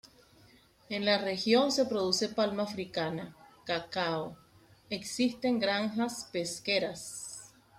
En la región se produce palma africana, cacao, existen granjas pesqueras.